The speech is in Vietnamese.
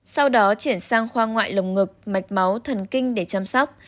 sau đó chuyển sang khoa ngoại lồng ngực mạch máu thần kinh để chăm sóc